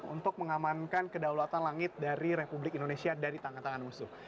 untuk mengamankan kedaulatan langit dari republik indonesia dari tangan tangan musuh